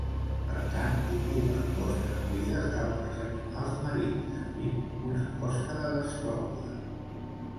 Per tant, ocupen closques buides d'altres animals marins, sovint una closca de gastròpode.